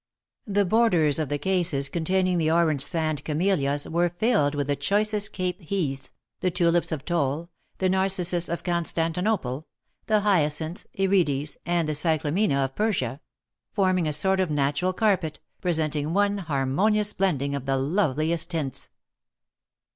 The borders of the cases containing the orange sand camellias were filled with the choicest cape heaths, the tulips of Thol, the narcissus of Constantinople, the hyacinth, irides, and cyclamina of Persia; forming a sort of natural carpet, presenting one harmonious blending of the loveliest tints.